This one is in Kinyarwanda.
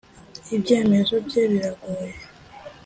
ibyemezo bye biragoye.